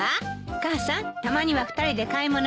母さんたまには２人で買い物に行きましょ。